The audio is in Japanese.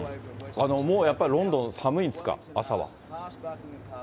もうやっぱりロンドン、寒いんですか、朝は。